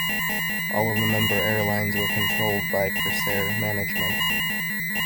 All of the member airlines were controlled by Krasair management.